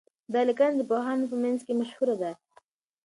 دا لیکنه د پوهانو په منځ کي مشهوره ده.